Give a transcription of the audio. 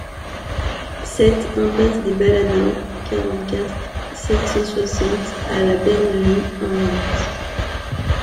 sept impasse des Baladins, quarante-quatre, sept cent soixante à La Bernerie-en-Retz